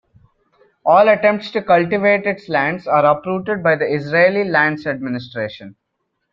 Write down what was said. All attempts to cultivate its lands are uprooted by the Israeli Lands Administration.